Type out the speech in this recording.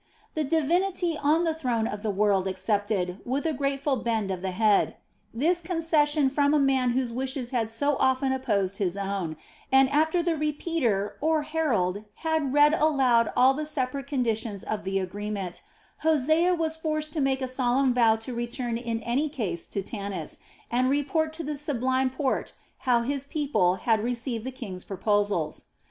The divinity on the throne of the world accepted, with a grateful bend of the head, this concession from a man whose wishes had so often opposed his own, and after the "repeater" or herald had read aloud all the separate conditions of the agreement, Hosea was forced to make a solemn vow to return in any case to Tanis, and report to the Sublime Porte how his people had received the king's proposals.